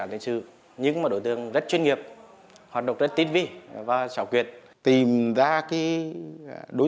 án lên sư nhưng mà đối tượng rất chuyên nghiệp hoạt động rất tín vi và sảo quyệt tìm ra cái đối